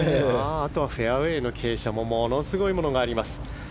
あとはフェアウェーの傾斜もものすごいものがあります。